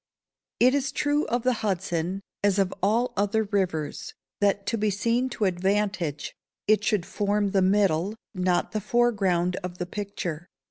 It is true of the Hudson, as of all other rivers, that, to be seen to advantage, it should form the middle, not the foreground of the picture.